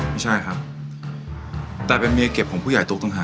ไม่ใช่ครับแต่เป็นเมียเก็บของผู้ใหญ่ตุ๊กต้องหา